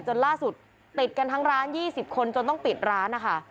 ล่าสุดติดกันทั้งร้าน๒๐คนจนต้องปิดร้านนะคะ